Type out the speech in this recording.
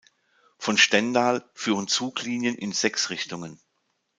Von Stendal führen Zuglinien in sechs Richtungen.